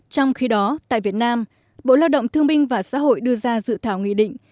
trong khi đó tại việt nam bộ lao động thương minh và xã hội đưa ra dự thảo nghị định